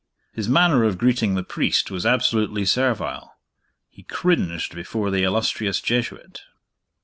His manner of greeting the priest was absolutely servile. He cringed before the illustrious Jesuit.